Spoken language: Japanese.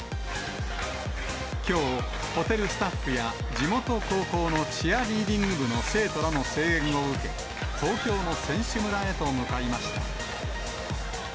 きょう、ホテルスタッフや地元高校のチアリーディング部の生徒らの声援を受け、東京の選手村へと向かいました。